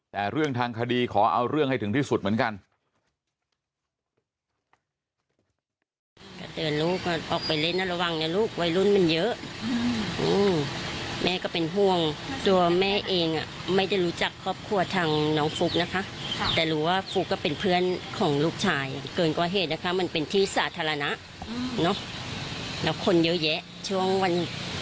แต่เรื่องทางคดีขอเอาเรื่องให้ถึงที่สุดเหมือนกัน